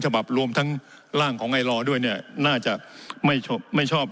ฉบับรวมทั้งร่างของไอลอด้วยเนี่ยน่าจะไม่ชอบไม่ชอบ